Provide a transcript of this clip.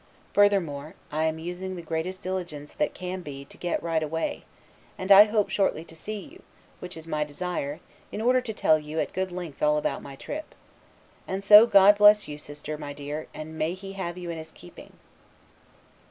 Furthermore, I am using the greatest diligence that can be to get right away, and I hope shortly to see you, which is my desire, in order to tell you at good length all about my trip. And so God bless you, sister, my dear, and may He have you in His keeping!"